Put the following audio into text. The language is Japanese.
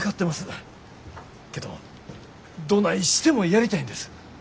けどどないしてもやりたいんです。